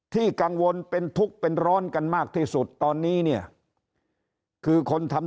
ที่กังวลเป็นทุกข์เป็นร้อนกันมากที่สุดตอนนี้เนี่ยคือคนทำ